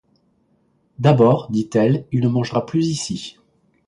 D’abord, dit-elle, il ne mangera plus ici.